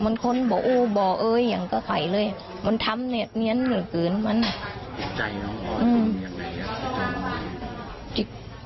เธนตู้เสื้นที่เชื้อที่คุณแม่แท้เชื้อทางผิด